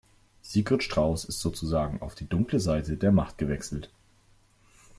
Sigrid Strauß ist sozusagen auf die dunkle Seite der Macht gewechselt.